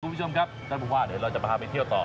คุณผู้ชมครับท่านผู้ว่าเดี๋ยวเราจะพาไปเที่ยวต่อ